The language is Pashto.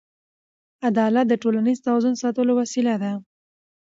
عدالت د ټولنیز توازن ساتلو وسیله ده.